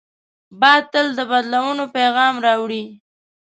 باد تل د بدلونو پیغام راوړي